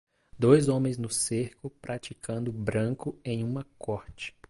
Dois homens no cerco praticando branco em uma corte.